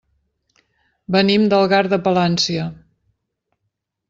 Venim d'Algar de Palància.